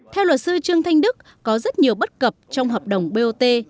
theo luật sư trương thanh đức có rất nhiều bất cập trong hợp đồng bot